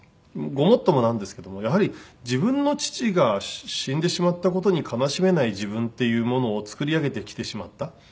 ごもっともなんですけどもやはり自分の父が死んでしまった事に悲しめない自分っていうものを作り上げてきてしまった。